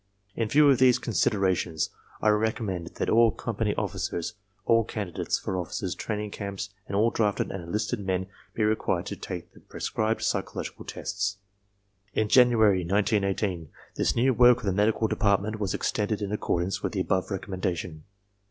"In view of these considerations, I reconmiend that all com pany officers, all candidates for officers' training camps and all drafted and enlisted men be required to take the prescribed psychological tests." In January, 1918, this new work of the Medical Department was extended in accordance with the above recommendation.